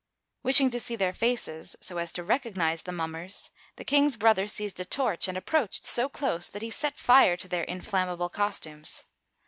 Wishing to see their faces, so as to recognize the mum mers, the kiilg's brother seized a torch and approached so close that he set fire to their inflammable costumes.